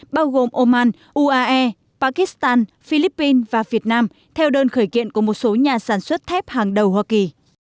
bao gồm oman uae pakistan philippines và việt nam theo đơn khởi kiện của một số nhà sản xuất thép hàng đầu hoa kỳ